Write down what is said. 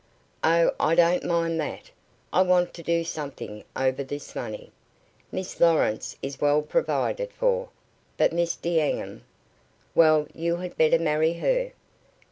"Oh, I don't mind that. I want to do something over this money. Miss Lawrence is well provided for, but Miss D'Enghien " "Well, you had better marry her."